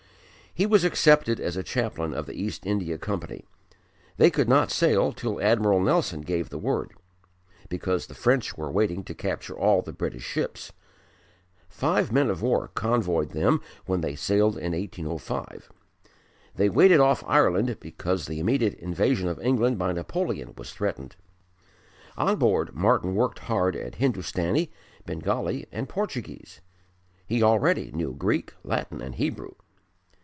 He was accepted as a chaplain of the East India Company. They could not sail till Admiral Nelson gave the word, because the French were waiting to capture all the British ships. Five men of war convoyed them when they sailed in 1805. They waited off Ireland, because the immediate invasion of England by Napoleon was threatened. On board Martyn worked hard at Hindustani, Bengali and Portuguese. He already knew Greek, Latin and Hebrew.